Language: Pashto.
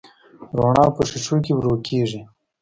رڼا په شیشو کې ورو کېږي.